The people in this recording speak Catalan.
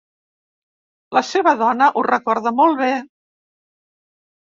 La seva dona ho recorda molt bé.